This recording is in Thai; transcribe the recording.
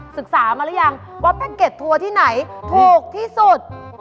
ศึกษามาหรือยังว่าแพ็กเก็ตทัวร์ที่ไหนถูกที่สุด